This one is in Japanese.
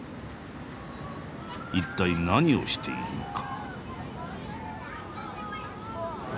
一体何をしているのか？